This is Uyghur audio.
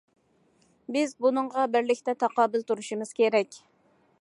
بىز بۇنىڭغا بىرلىكتە تاقابىل تۇرۇشىمىز كېرەك.